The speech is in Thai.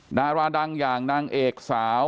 ดาราดังอย่างนางเอกสาว